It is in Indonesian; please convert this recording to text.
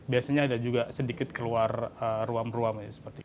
biasanya ada juga sedikit keluar ruam ruam